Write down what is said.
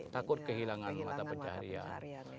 takut kehilangan mata pencaharian